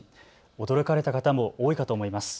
驚かれた方も多いかと思います。